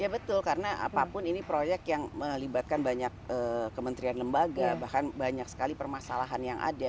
ya betul karena apapun ini proyek yang melibatkan banyak kementerian lembaga bahkan banyak sekali permasalahan yang ada